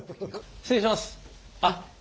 失礼いたします。